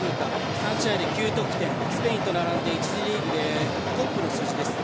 ３試合で９得点スペインと並んで１次リーグでトップの数字です。